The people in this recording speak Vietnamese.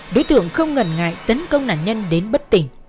đối tượng không ngần ngại tấn công nạn nhân đến bất tỉnh